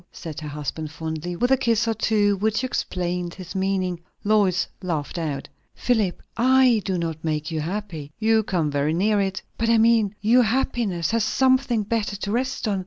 said her husband fondly, with a kiss or two which explained his meaning. Lois laughed out. "Philip, I do not make you happy." "You come very near it." "But I mean Your happiness has something better to rest on.